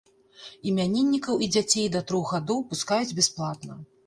Імяніннікаў і дзяцей да трох гадоў пускаюць бясплатна.